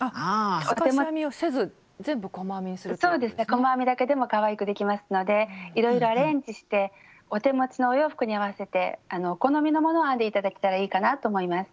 細編みだけでもかわいくできますのでいろいろアレンジしてお手持ちのお洋服に合わせてお好みのものを編んで頂けたらいいかなと思います。